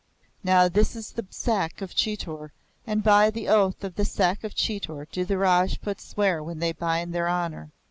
Now this is the Sack of Chitor, and by the Oath of the Sack of Chitor do the Rajputs swear when they bind their honour.